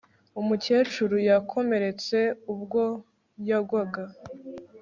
umukecuru yakomeretse ubwo yagwaga